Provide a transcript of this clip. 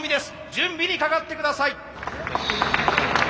準備にかかって下さい。